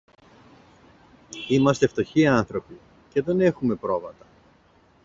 Είμαστε φτωχοί άνθρωποι και δεν έχομε πρόβατα.